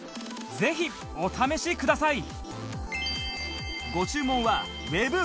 ぜひお試しください